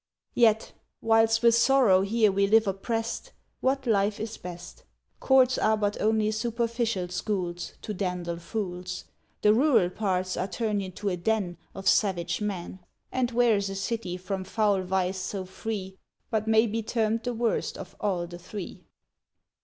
Yet whilst with sorrow here we live opprest, What life is best? Courts are but only superficial schools To dandle fools: The rural parts are turned into a den Of savage men: And where's a city from foul vice so free, But may be termed the worst of all the three?